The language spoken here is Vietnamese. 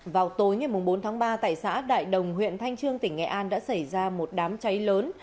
vào tối ngày bốn tháng ba tại xã đại đồng huyện thanh trương tỉnh nghệ an đã xảy ra một đám cháy lớn